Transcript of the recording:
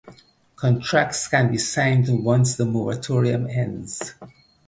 Contracts can be signed once the moratorium ends.